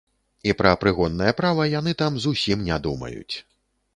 І пра прыгоннае права яны там зусім не думаюць.